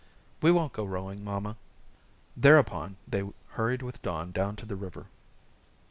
"We won't go rowing, mamma." Thereupon they hurried with Don down to the river.